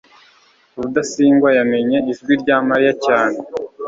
rudasingwa yamenye ijwi rya mariya cyane